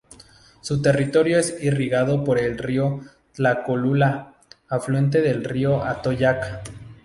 Su territorio es irrigado por el río Tlacolula, afluente del río Atoyac.